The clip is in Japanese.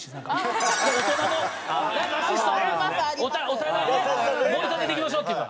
お互いね盛り立てていきましょうっていう。